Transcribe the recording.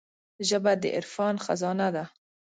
ژبه د عرفان خزانه ده